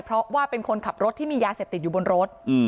เพราะว่าเป็นคนขับรถที่มียาเสพติดอยู่บนรถ